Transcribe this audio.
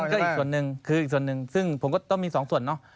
ก็อีกส่วนหนึ่งคืออีกส่วนหนึ่งซึ่งผมก็ต้องมีสองส่วนเนอะ